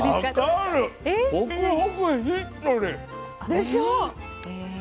でしょ？